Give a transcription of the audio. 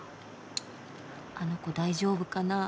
あの子大丈夫かな？